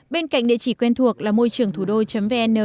bên cạnh địa chỉ quen thuộc là môi trườngthủđô vn